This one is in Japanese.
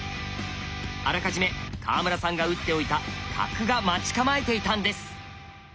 あらかじめ川村さんが打っておいた角が待ち構えていたんです。